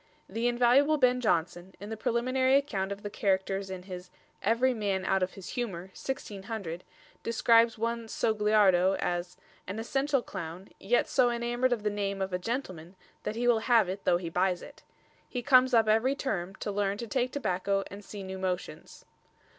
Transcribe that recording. The invaluable Ben Jonson, in the preliminary account of the characters in his "Every Man out of his Humour," 1600, describes one Sogliardo as "an essential clown ... yet so enamoured of the name of a gentleman that he will have it though he buys it. He comes up every term to learn to take tobacco and see new motions."